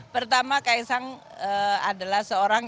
pertama kak isang adalah seorang